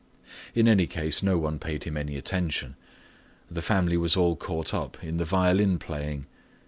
In any case, no one paid him any attention. The family was all caught up in the violin playing.